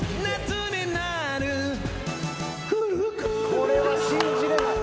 これは信じれない。